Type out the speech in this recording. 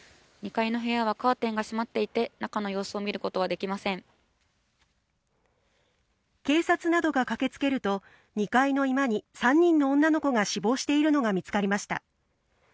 ２階の部屋はカーテンが閉まっていて、中の様子を見ることはでき警察などが駆けつけると、２階の居間に３人の女の子が死亡しているのが見つかりました。